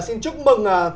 xin chúc mừng